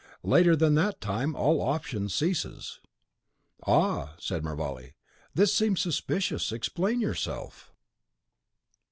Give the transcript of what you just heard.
Later than that time, all option ceases." "Ah!" said Mervale, "this seems suspicious. Explain yourself."